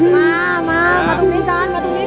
มามามาตรงนี้จัน